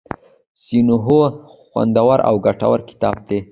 سینوهه خوندور او ګټور کتاب دی.